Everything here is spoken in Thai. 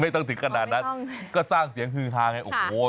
ต้องถึงขนาดนั้นก็สร้างเสียงฮือฮาไงโอ้โห